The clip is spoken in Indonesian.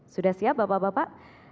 sudah siap bapak bapak